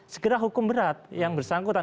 segera hukum berat yang bersangkutan